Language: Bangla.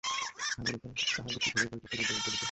কাঁধের উপর তাহার বৃষ্টি ঝরিয়া পড়িতেছে, হৃদয় উদ্বেলিত।